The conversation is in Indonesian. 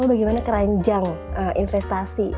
lalu bagaimana keranjang investasi